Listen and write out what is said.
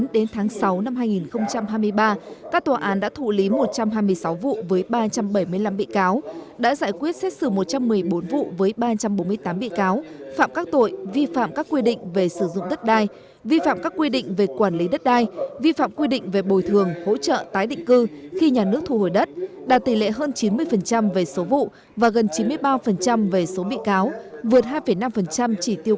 đến tháng sáu năm hai nghìn hai mươi ba các tòa án đã thủ lý một trăm hai mươi sáu vụ với ba trăm bảy mươi năm bị cáo đã giải quyết xét xử một trăm một mươi bốn vụ với ba trăm bốn mươi tám bị cáo phạm các tội vi phạm các quy định về sử dụng đất đai vi phạm các quy định về quản lý đất đai vi phạm quy định về bồi thường hỗ trợ tái định cư khi nhà nước thu hồi đất đạt tỷ lệ hơn chín mươi về số vụ và gần chín mươi ba về số bị cáo vượt hai năm chỉ tiêu quốc hội đề ra